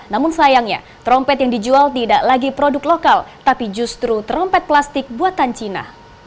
namun sayangnya trompet yang dijual tidak lagi produk lokal tapi justru trompet plastik buatan cina